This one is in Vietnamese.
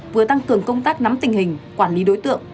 vừa tăng cường công tác nắm tình hình quản lý đối tượng